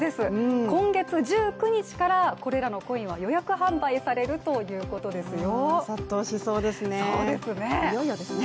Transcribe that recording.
今月１９日からこれらのコインは予約販売されるということですよ。